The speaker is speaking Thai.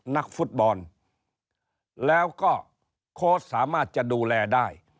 นักฟุตบอลแล้วก็โค้ชสามารถจะดูแลได้